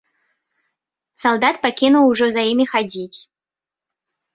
Салдат пакінуў ужо за імі хадзіць.